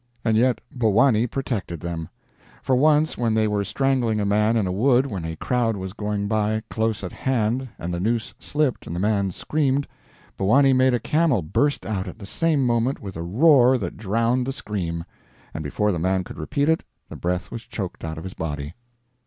And yet Bhowanee protected them; for once when they were strangling a man in a wood when a crowd was going by close at hand and the noose slipped and the man screamed, Bhowanee made a camel burst out at the same moment with a roar that drowned the scream; and before the man could repeat it the breath was choked out of his body.